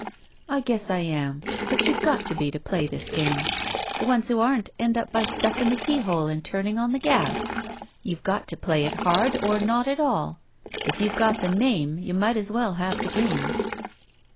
"I guess I am, but you've got to be to play this game. The ones who aren't end up by stuffing the keyhole and turning on the gas. You've got to play it hard or not at all. If you've got the name, you might as well have the game."